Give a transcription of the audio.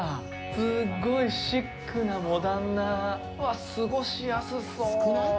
すごいシックな、モダンな過ごしやすそう。